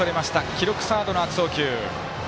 記録はサードの悪送球。